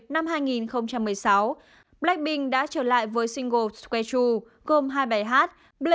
gồm hai bài hát boombayah và whistle ngày ba mươi một tháng một mươi năm hai nghìn một mươi sáu blackpink đã trở lại với single square two gồm hai bài hát boombayah và whistle